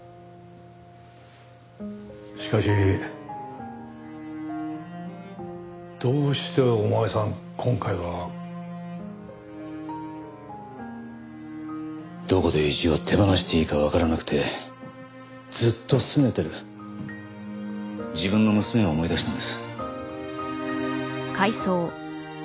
しかしどうしてお前さん今回は？どこで意地を手放していいかわからなくてずっと拗ねてる自分の娘を思い出したんです。